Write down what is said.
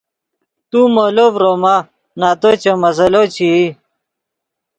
تو مولو ڤروما نتو چے مسئلو چے ای